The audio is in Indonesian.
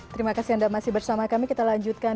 terima kasih anda masih bersama kami kita lanjutkan